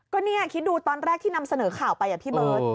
ก็เนี่ยคิดดูตอนแรกที่นำเสนอข่าวไปพี่เบิร์ต